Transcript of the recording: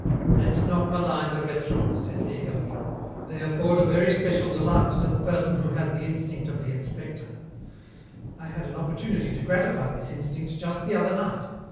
"Let's not malign the restaurants," said Des Hermies. "They afford a very special delight to the person who has the instinct of the inspector. I had an opportunity to gratify this instinct just the other night.